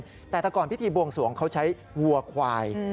แต่แต่ก่อนพิธีบวงสวงเขาใช้วัวควาย